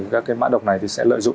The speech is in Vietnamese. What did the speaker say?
các mã độc này sẽ lợi dụng